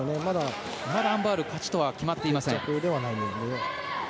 まだアン・バウルが勝ちとは決まっていません。